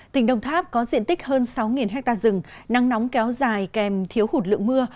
tỉnh đồng tháp có diện tích hơn sáu ha rừng nắng nóng kéo dài kèm thiếu hụt lượng mưa